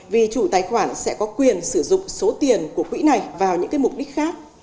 vì chủ tài khoản sẽ có quyền sử dụng số tiền của quỹ này vào những mục đích khác